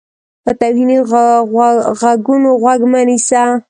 په توهیني غږونو غوږ مه نیسه.